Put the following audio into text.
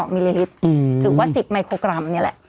มิลลิลิตรถึงว่า๑๐ไมโครกรัม